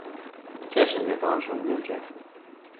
Cieszy mnie to osiągnięcie